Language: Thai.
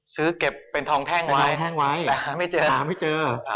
ซื้อเก็บเป็นทองแท่งไว้หนึ่งหาไม่เจอ